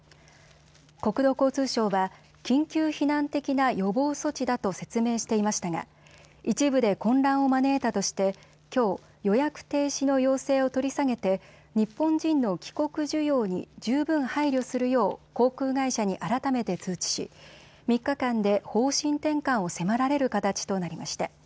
国土交通省は緊急避難的な予防措置だと説明していましたが一部で混乱を招いたとしてきょう、予約停止の要請を取り下げて日本人の帰国需要に十分配慮するよう航空会社に改めて通知し、３日間で方針転換を迫られる形となりました。